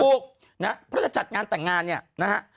ถูกนะเพราะจะจัดงานแต่งงานเนี่ยนะฮะ